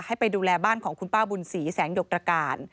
ให้ไปดูแลบ้านของคุณป้าบุญศรีแสงหยกตรการ